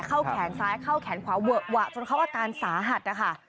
เข้าแขนซ้ายเข้าแขนขวาเวอะจนเขาอาการสาหัส